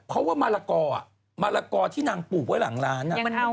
เพราะว่ามารากอที่นางปลูกไว้หลังร้าน